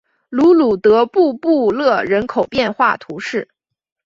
卢鲁德布布勒人口变化图示